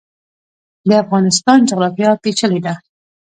د افغانستان جغرافیا پیچلې ده